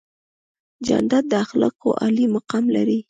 جانداد د اخلاقو عالي مقام لري.